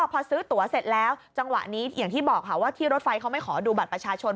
พอซื้อตัวเสร็จแล้วจังหวะนี้อย่างที่บอกค่ะว่าที่รถไฟเขาไม่ขอดูบัตรประชาชน